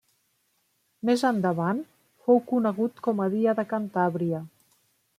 Més endavant, fou conegut com a Dia de Cantàbria.